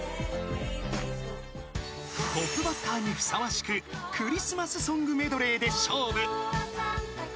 ［トップバッターにふさわしくクリスマスソングメドレーで勝負］